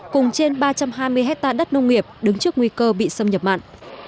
cùng trên ba trăm hai mươi hectare đất nông nghiệp đứng trước nguy cơ bị xâm nhập mặn